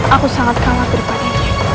aku sangat kagak berpikir